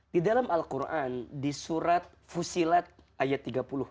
di dalam al quran di surat fusilat ayat tiga puluh